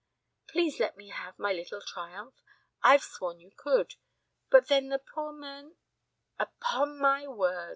Please let me have my little triumph. I've sworn you could. And then the poor men " "Upon my word!"